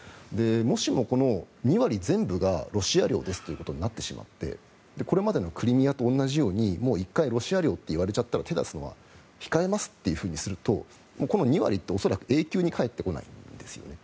もしもこの２割全部がロシア領ですということになってしまってこれまでのクリミアと同じように１回、ロシア領といわれてしまったら手を出すのは控えますとするとこの２割って恐らく永久に返ってこないんですね。